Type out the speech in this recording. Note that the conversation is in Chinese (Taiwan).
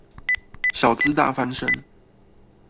小資大翻身